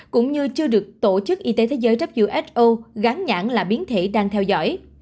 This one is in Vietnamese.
cũng như chưa được tổ chức y tế thế giới who gán nhãn là biến thể đang theo dõi